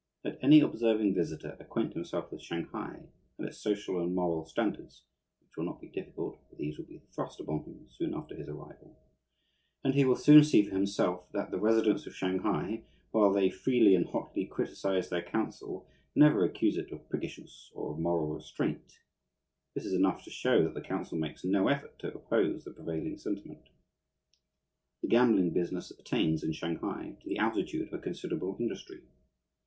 Let any observing visitor acquaint himself with Shanghai and its social and moral standards (which will not be difficult, for these will be thrust upon him soon after his arrival) and he will soon see for himself that the residents of Shanghai, while they freely and hotly criticize their council, never accuse it of priggishness or of moral restraint. This is enough to show that the council makes no effort to oppose the prevailing sentiment. The gambling business attains, in Shanghai, to the altitude of a considerable industry.